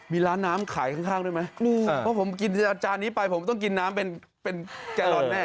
มีร้านน้ำขายข้างด้วยไหมเพราะผมกินอาจารย์นี้ไปผมต้องกินน้ำเป็นแกลลอนแน่